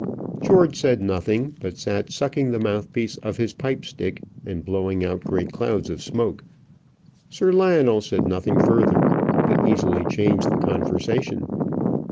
George said nothing, but sat sucking the mouth piece of his pipe stick and blowing out great clouds of smoke. Sir Lionel said nothing further, but easily changed the conversation.